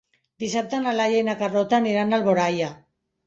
Dissabte na Laia i na Carlota aniran a Alboraia.